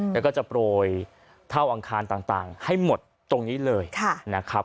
แล้วก็จะโปรยเท่าอังคารต่างให้หมดตรงนี้เลยนะครับ